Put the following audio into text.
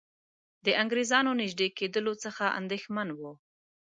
د انګریزانو نیژدې کېدلو څخه اندېښمن وو.